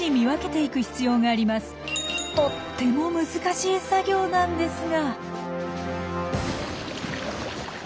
とっても難しい作業なんですが。